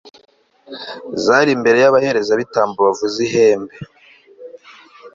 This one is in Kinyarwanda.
zari imbere y'abaherezabitambo bavuza ihembe